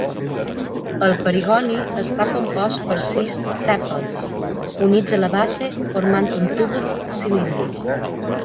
El perigoni està compost per sis tèpals, units a la base, formant un tub cilíndric.